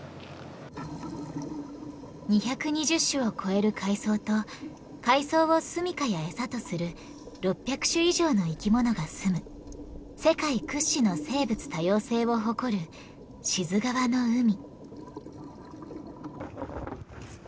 ２２０種を超える海藻と海藻をすみかや餌とする６００種以上の生き物がすむ世界屈指の生物多様性を誇る志津川の海。